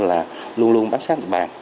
là luôn luôn bám sát địa bàn